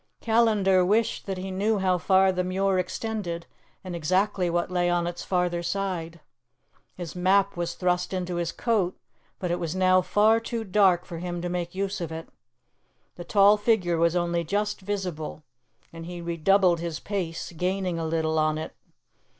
Callandar wished that he knew how far the Muir extended, and exactly what lay on its farther side. His map was thrust into his coat, but it was now far too dark for him to make use of it; the tall figure was only just visible, and he redoubled his pace, gaining a little on it.